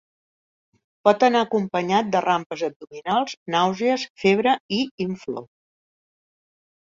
Pot anar acompanyat de rampes abdominals, nàusees, febre i inflor.